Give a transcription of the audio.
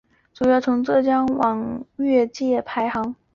主要从浙界往粤界排列。